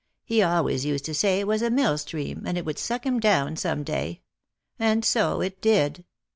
He always used to say it was a mill stream, and it would suck him down some day ; and so it did."